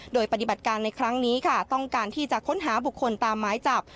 โดยปฏิบัติการในครั้งนี้ค่ะต้องการที่จะค้นหาบุคคลตามหมายจับ